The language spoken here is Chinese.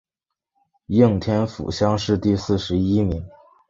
应天府乡试第四十一名。